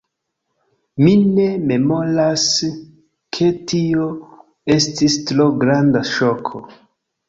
Mi ne memoras, ke tio estis tro granda ŝoko.